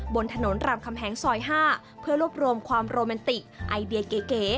บนถนนรามคำแหงซอย๕เพื่อรวบรวมความโรแมนติกไอเดียเก๋